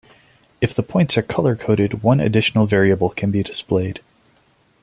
If the points are color-coded, one additional variable can be displayed.